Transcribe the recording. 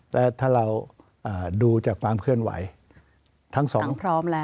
แต่ถ้าเราดูจากความเคลื่อนไหวทั้งสองพร้อมแล้ว